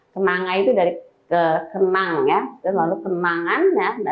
kenanga itu dari kenang ya lalu kemangan ya